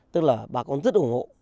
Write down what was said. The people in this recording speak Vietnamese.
tức là bà con rất ủng hộ